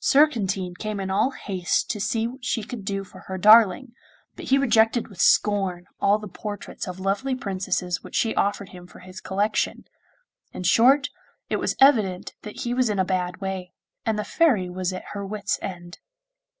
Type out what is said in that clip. Surcantine came in all haste to see what she could do for her darling, but he rejected with scorn all the portraits of lovely princesses which she offered him for his collection. In short, it was evident that he was in a bad way, and the Fairy was at her wits' end.